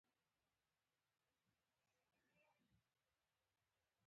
مونږ يې خواله لاړو فرياد يې وکړو